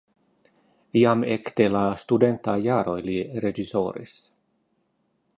Jam ekde la studentaj jaroj li reĝisoris.